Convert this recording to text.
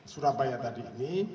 surabaya tadi ini